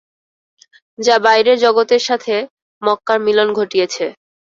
যা বাইরের জগতের সাথে মক্কার মিলন ঘটিয়েছে।